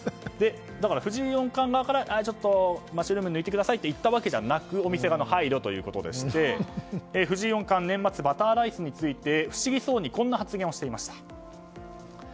だから、藤井四冠側からちょっとマッシュルーム抜いてくださいって言ったわけじゃなくお店側の配慮ということでして藤井四冠、年末バターライスについて不思議そうにこんな発言をしていました。